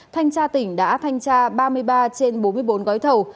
thanh tra tỉnh đã thanh tra ba mươi ba trên bốn mươi bốn gói thầu